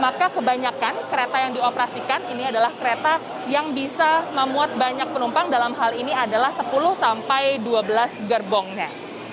maka kebanyakan kereta yang dioperasikan ini adalah kereta yang bisa memuat banyak penumpang dalam hal ini adalah sepuluh sampai dua belas gerbongnya